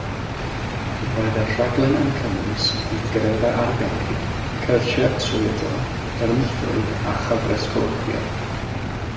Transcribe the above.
Roedd y rhaglen yn cynnwys gweithgareddau arbennig, cyrsiau trwyadl, darlithoedd a chyfres colocwia.